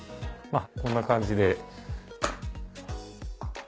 こんな感じで。